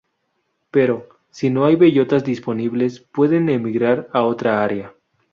Pero, si no hay bellotas disponibles pueden emigrar a otra área.